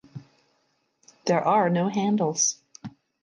There are no handles.